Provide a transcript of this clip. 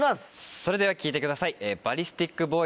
それでは聴いてください